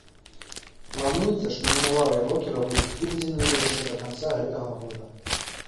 Плануецца, што мемуары рокера будуць выдадзеныя яшчэ да канца гэтага года.